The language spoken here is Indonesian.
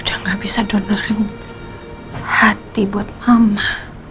udah gak bisa donorin hati buat mama